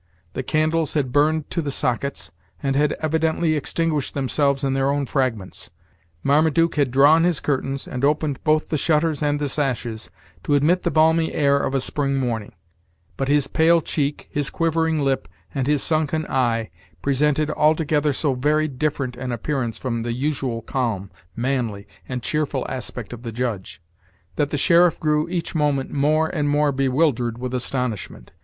The candles had burned to the sockets, and had evidently extinguished themselves in their own fragments Marmaduke had drawn his curtains, and opened both the shutters and the sashes, to admit the balmy air "of a spring morning; but his pale cheek, his quivering lip, and his sunken eye presented altogether so very different an appearance from the usual calm, manly, and cheerful aspect of the Judge, that the sheriff grew each moment more and more bewildered with astonishment.